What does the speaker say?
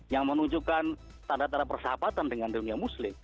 yang menunjukkan tanda tanda persahabatan dengan dunia muslim